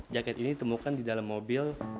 jaket ini ditemukan di dalam mobil